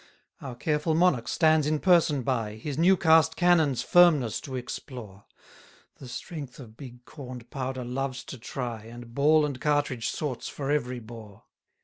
149 Our careful monarch stands in person by, His new cast cannons' firmness to explore: The strength of big corn'd powder loves to try, And ball and cartridge sorts for every bore.